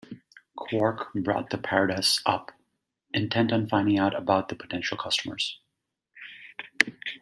Quark brought the Paradas up, intent on finding out about the potential customers.